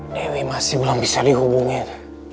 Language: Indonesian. dewi masih belum bisa dihubungi